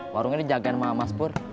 warungnya dijagain sama mas purr